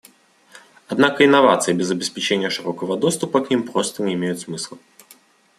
Однако инновации без обеспечения широкого доступа к ним просто не имеют смысла.